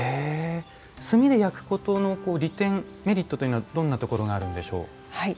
炭で焼くことの利点メリットというのはどんなところがあるんでしょう？